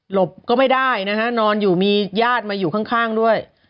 บก็ไม่ได้นะฮะนอนอยู่มีญาติมาอยู่ข้างด้วย